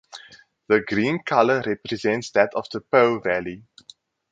The green color represents that of the Po Valley.